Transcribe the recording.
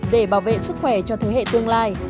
để bảo vệ sức khỏe cho thế hệ tương lai